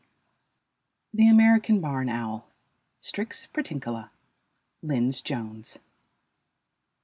] THE AMERICAN BARN OWL. (Strix pratincola). LYNDS JONES.